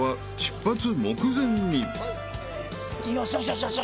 よしよしよしよし。